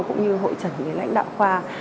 cũng như hội trận với lãnh đạo khoa